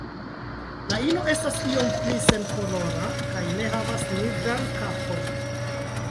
La ino estas iom pli senkolora kaj ne havas nigran kapon.